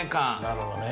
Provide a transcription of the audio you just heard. なるほどね。